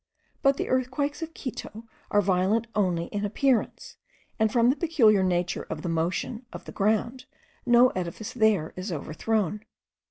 But the earthquakes of Quito are violent only in appearance, and, from the peculiar nature of the motion and of the ground, no edifice there is overthrown.